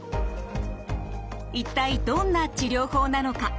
一体どんな治療法なのか。